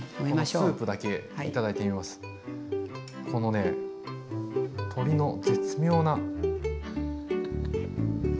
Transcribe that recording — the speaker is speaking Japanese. このね鶏の絶妙な。